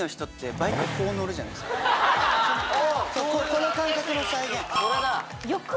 この感覚の再現。